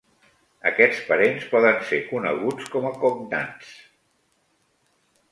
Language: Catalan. Aquests parents poden ser coneguts com a cognats.